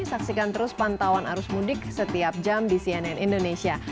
saksikan terus pantauan arus mudik setiap jam di cnn indonesia